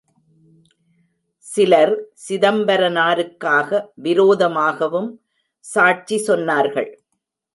சிலர், சிதம்பரனாருக்காக விரோதமாகவும் சாட்சி சொன்னார்கள்!